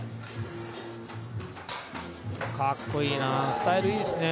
スタイルいいですね。